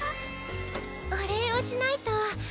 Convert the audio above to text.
お礼をしないと。